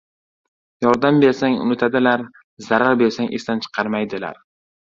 • Yordam bersang — unutadilar, zarar bersang — esdan chiqarmaydilar.